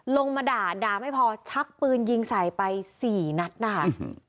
ลงมาด่าด่าไม่พอชักปืนยิงใส่ไปสี่นัดนะคะ